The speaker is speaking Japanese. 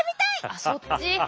あっそっち？